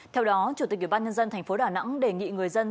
theo đó chủ tịch ủy ban nhân dân thành phố đà nẵng đề nghị người dân